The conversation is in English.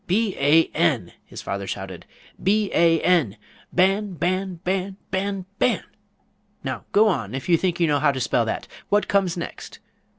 "B a n!" his father shouted, "B a n, Ban! Ban! Ban! Ban! Ban! Now go on, if you think you know how to spell that! What comes next?